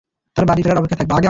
তার বাড়ি ফেরার অপেক্ষায় থাকব।